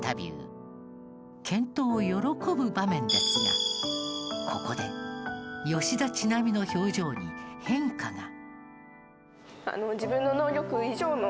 健闘を喜ぶ場面ですがここで吉田知那美の表情に変化が。